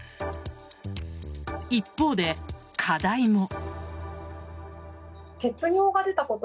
一方で課題も。